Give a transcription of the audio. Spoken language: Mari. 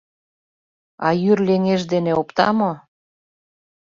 А йӱр леҥеж дене опта мо?